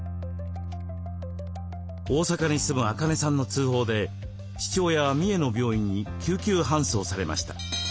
大阪に住むアカネさんの通報で父親は三重の病院に救急搬送されました。